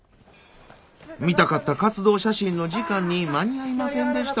見たかった活動写真の時間に間に合いませんでした。